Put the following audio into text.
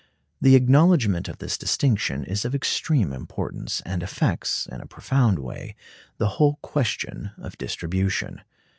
The acknowledgment of this distinction is of extreme importance, and affects, in a profound way, the whole question of distribution.